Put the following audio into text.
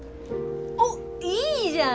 おっいいじゃん。